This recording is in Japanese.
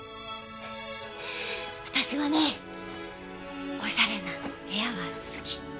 私はねおしゃれな部屋が好き。